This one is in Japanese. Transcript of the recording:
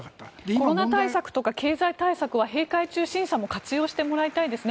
コロナ対策とかは閉会中審査も活用してもらいたいですね。